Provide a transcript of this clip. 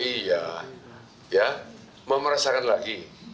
iya ya memerasakan lagi